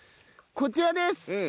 こちらです。